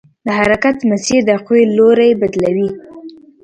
د حرکت مسیر د قوې لوری بدلوي.